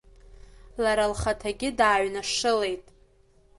Лара лхаҭагьы дааҩнашылеит.